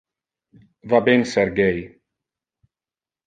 Va ben ser gay.